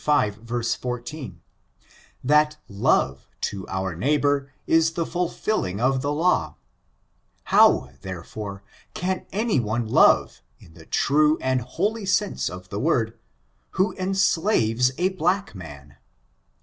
v, 14, that love to our neighbor isthe/MZ/H/ing of the law; how, there fore, can any one love, in the true and holy sense of the word, who enslaves a black man.